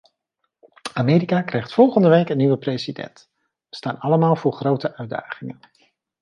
Amerika krijgt volgende week een nieuwe president; we staan allemaal voor grote uitdagingen.